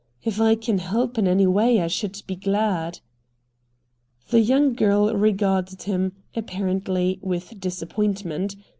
If I can help in any way I should be glad." The young girl regarded him, apparently, with disappointment.